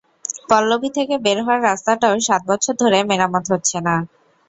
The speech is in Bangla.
পল্লবী থেকে বের হওয়ার রাস্তাটাও সাত বছর ধরে মেরামত হচ্ছে না।